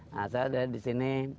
saya ada disini